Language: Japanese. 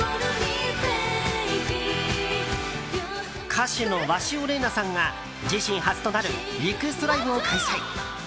歌手の鷲尾伶菜さんが自身初となるリクエストライブを開催。